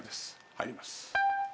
入ります